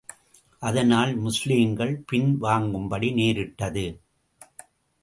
அதனால் முஸ்லிம்கள் பின் வாங்கும்படி நேரிட்டது.